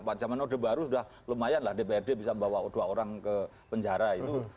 pada zaman orde baru sudah lumayan lah dprd bisa membawa dua orang ke penjara itu